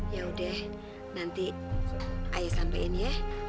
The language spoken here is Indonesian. ya udah nanti ayo sampein ya